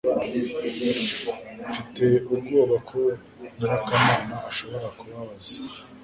Mfite ubwoba ko nyirakamana ashobora kubabaza